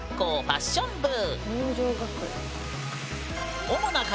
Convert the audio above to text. ファッション部。